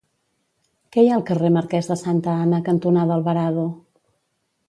Què hi ha al carrer Marquès de Santa Ana cantonada Alvarado?